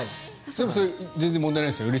でもそれ全然問題ないですよね？